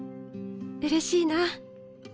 うれしいな。